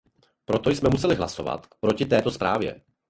Proto jsme museli hlasovat proti této zprávě.